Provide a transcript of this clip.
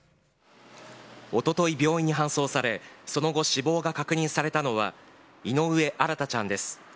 おととい、病院に搬送され、その後、死亡が確認されたのは井上新太ちゃんです。